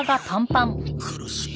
苦しい。